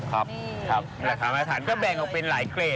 ราคามาฐานก็แบ่งออกเป็นหลายเกรด